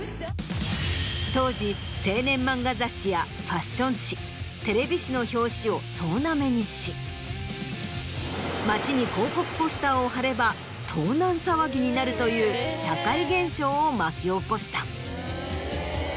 当時青年漫画雑誌やファッション誌テレビ誌の表紙を総ナメにし街に広告ポスターを貼れば盗難騒ぎになるという社会現象を巻き起こした。